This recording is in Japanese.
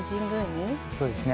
そうですね